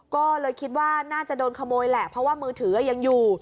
ก็เลยคิดว่าน่าจะโดนขโมยแหละเพราะว่ามือถือยังอยู่